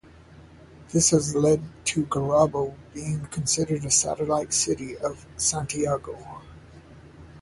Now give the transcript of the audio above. This has led to Gurabo being considered a satellite city of Santiago.